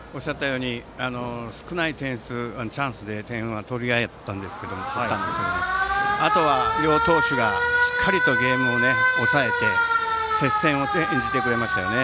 少ないチャンスで点を取ったんですがあとはしっかり投手が抑えて接戦を演じてくれましたよね。